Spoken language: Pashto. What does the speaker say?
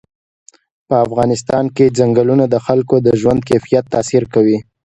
په افغانستان کې چنګلونه د خلکو د ژوند په کیفیت تاثیر کوي.